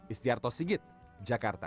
istiarto sigit jakarta